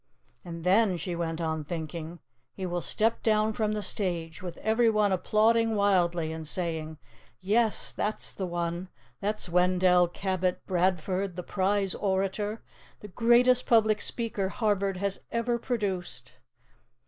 "And then," she went on thinking, "he will step down from the stage, with everyone applauding wildly and saying, 'Yes, that's the one. That's Wendell Cabot Bradford, the prize orator, the greatest public speaker Harvard has ever produced.